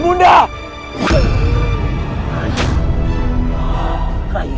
karena aku salah